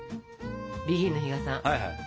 ＢＥＧＩＮの比嘉さん